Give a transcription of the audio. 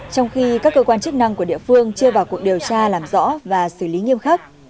trong khi các cơ quan chức năng của địa phương chưa vào cuộc điều tra làm rõ và xử lý nghiêm khắc